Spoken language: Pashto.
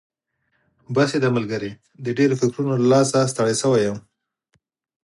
بس یې ده ملګري، د ډېرو فکرونو له لاسه ستړی شوی یم.